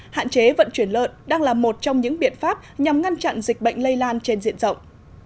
hạn chế vận chuyển lợn đang là một trong những biện pháp nhằm ngăn chặn dịch bệnh lây lan trên diện rộng